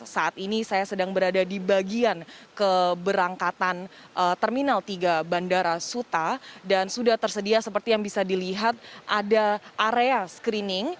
saat ini saya sedang berada di bagian keberangkatan terminal tiga bandara suta dan sudah tersedia seperti yang bisa dilihat ada area screening